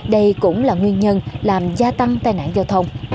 đây cũng là nguyên nhân làm gia tăng tai nạn giao thông